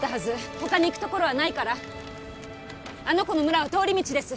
他に行く所はないからあの子の村は通り道です